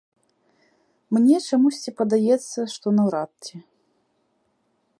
Мне чамусьці падаецца, што наўрад ці.